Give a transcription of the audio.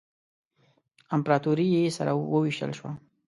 امپراطوري یې سره ووېشل شوه.